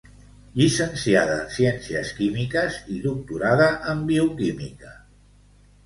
Llicenciada en ciències químiques i doctorada en bioquímica.